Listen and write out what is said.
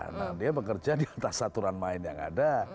nah dia bekerja di atas aturan main yang ada